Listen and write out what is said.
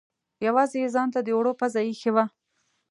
یوازې یې ځانته د اوړو پزه اېښې وه.